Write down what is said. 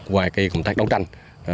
qua cái công tác đấu tranh